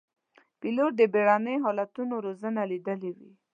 پیلوټ د بېړني حالتونو روزنه لیدلې وي.